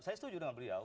saya setuju dengan beliau